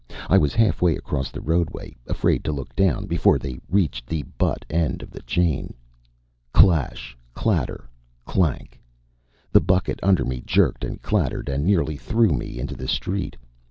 I was halfway across the roadway, afraid to look down, before they reached the butt end of the chain. Clash clatter. Clank! The bucket under me jerked and clattered and nearly threw me into the street.